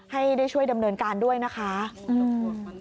ให้ได้ช่วยดำเนินการด้วยนะคะอืม